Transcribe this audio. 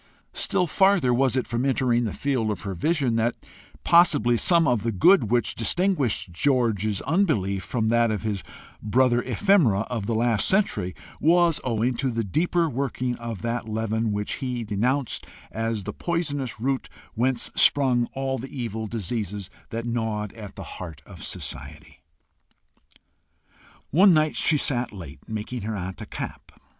Still farther was it from entering the field of her vision that possibly some of the good which distinguished George's unbelief from that of his brother ephemera of the last century, was owing to the deeper working of that leaven which he denounced as the poisonous root whence sprung all the evil diseases that gnawed at the heart of society. One night she sat late, making her aunt a cap.